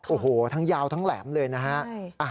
โอ้โหทั้งยาวทั้งแหลมเลยนะฮะ